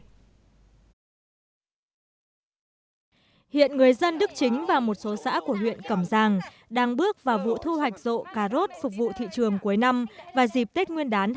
hiện người dân đức chính và một số xã của huyện cẩm giang đang bước vào vụ thu hoạch rộ cà rốt phục vụ thị trường cuối năm và dịp tết nguyên đán hai nghìn hai mươi